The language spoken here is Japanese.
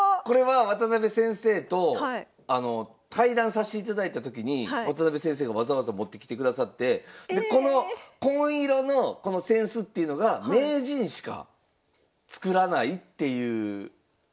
これは渡辺先生と対談さしていただいた時に渡辺先生がわざわざ持ってきてくださってこの紺色のこの扇子っていうのが名人しか作らないっていう。